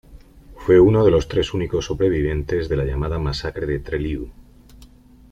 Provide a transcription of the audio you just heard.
Fue uno de los tres únicos sobrevivientes de la llamada Masacre de Trelew.